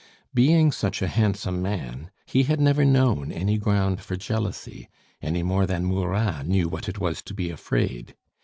Being such a handsome man, he had never known any ground for jealousy, any more than Murat knew what it was to be afraid.